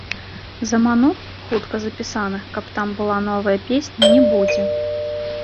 Заманух, хутка запісаных, каб там была новая песня, не будзе.